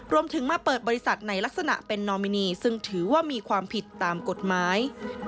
รวมถึงมาเปิดบริษัทในลักษณะเป็นนอมินีซึ่งถือว่ามีความผิดตามกฎหมาย